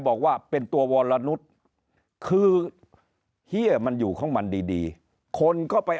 บอกว่าเป็นตัววรนุษย์คือเฮียมันอยู่ของมันดีคนก็ไป